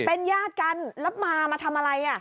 เป็นญาติกันแล้วมามาทำอะไร